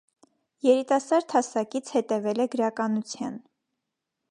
Երիտասարդ հասակից հետևել է գրականության։